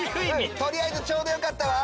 とりあえずちょうどよかったわ。